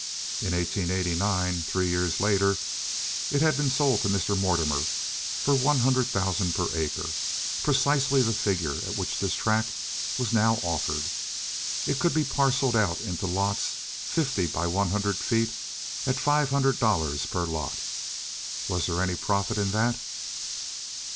In 1889, three years later, it had been sold to Mr. Mortimer for one thousand per acre, precisely the figure at which this tract was now offered. It could be parceled out into lots fifty by one hundred feet at five hundred dollars per lot. Was there any profit in that?